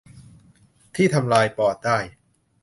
ที่ทำลายปอดได้